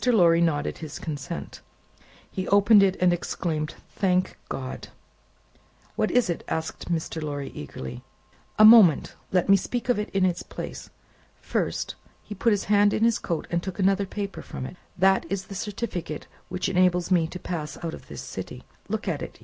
Lorry nodded his consent. He opened it, and exclaimed, "Thank God!" "What is it?" asked Mr. Lorry, eagerly. "A moment! Let me speak of it in its place. First," he put his hand in his coat, and took another paper from it, "that is the certificate which enables me to pass out of this city. Look at it.